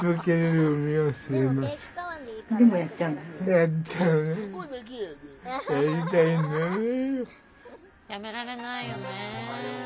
やめられないよね。